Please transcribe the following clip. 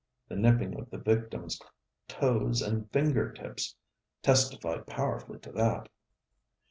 The nipping of the victim's toes and finger tips testified powerfully to that.